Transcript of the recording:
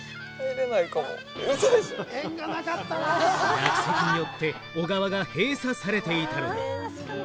落石によって小川が閉鎖されていたのだ。